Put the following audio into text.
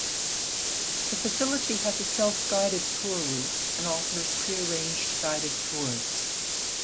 The facility has a self-guided tour route and offers pre-arranged guided tours.